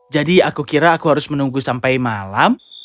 jadi aku kira aku harus menunggu sampai malam